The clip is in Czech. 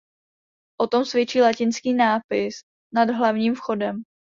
O tom svědčí latinský nápis nad hlavním vchodem.